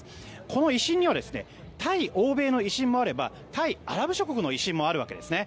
この威信には対欧米の威信もあれば対アラブ諸国の威信もあるわけですね。